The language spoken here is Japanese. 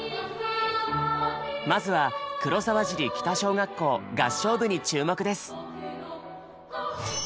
まずは黒沢尻北小学校合唱部に注目です。